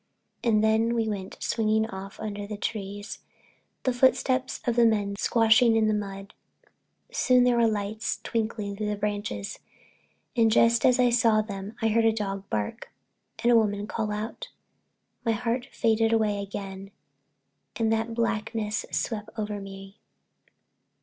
And then we went swinging off under the trees, the footsteps of the men squashing in the mud. Soon there were lights twinkling through the branches, and just as I saw them and heard a dog bark, and a woman call out, my heart faded away again and that blackness swept over me.